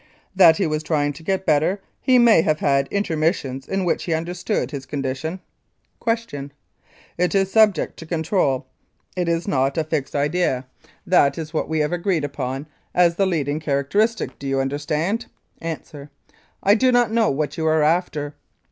That he was trying to get better, he may have had intermissions in which he understood his condition. Q. It is subject to control, it is not a fixed idea; that 216 Louis Kiel: Executed for Treason is what we have agreed upon as the leading characteristic, do you understand? A. I do not know what you are after.